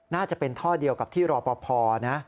น่าจะเป็นท่อเดียวกับที่รอปภนะ